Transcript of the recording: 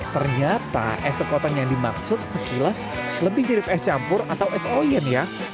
ternyata es sekoteng yang dimaksud sekilas lebih mirip es campur atau es oyen ya